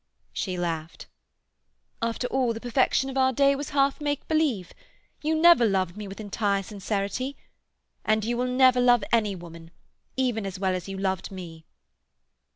She laughed. "After all, the perfection of our day was half make believe. You never loved me with entire sincerity. And you will never love any woman—even as well as you loved me."